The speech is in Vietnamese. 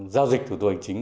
giao dịch thủ tục hành chính